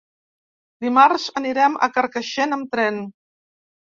Dimarts anirem a Carcaixent amb tren.